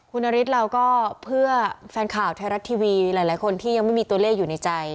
คุณนฤทธิ์เราก็เพื่อแฟนข่าวไทยรัฐทีวีหลายคนที่ยังไม่มีตัวเลขอยู่ในใจ